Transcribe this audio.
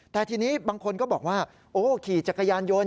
แต่ทีนี้บางคนก็บอกว่าโอ้ขี่จักรยานยนต์